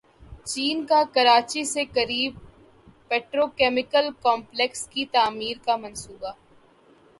چین کا کراچی کے قریب پیٹرو کیمیکل کمپلیکس کی تعمیر کا منصوبہ